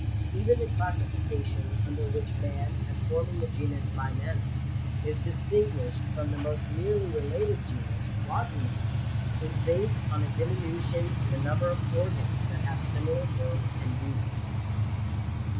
Even the classification under which man, as forming the genus Bimana, is distinguished from the most nearly related genus Quadrumana, is based on a dimi nution in the number of organs that have similar forms and duties.